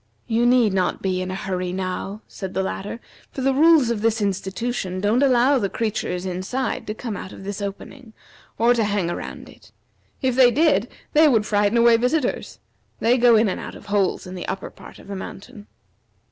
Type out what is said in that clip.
"You need not be in a hurry now," said the latter, "for the rules of this institution don't allow the creatures inside to come out of this opening, or to hang around it. If they did, they would frighten away visitors. They go in and out of holes in the upper part of the mountain."